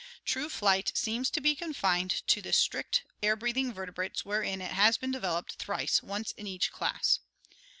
True flight seems to be confined to the strictly air breathing vertebrates wherein it has been developed thrice, once in each class.